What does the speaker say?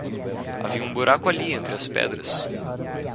Havia um buraco ali entre as pedras.